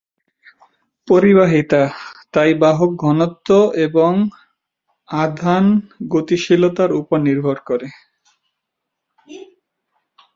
পরিবাহিতা তাই বাহক ঘনত্ব এবং আধান গতিশীলতার উপর নির্ভর করে।